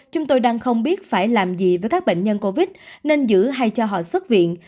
chúng tôi đang không biết phải làm gì với các bệnh nhân covid nên giữ hay cho họ xuất viện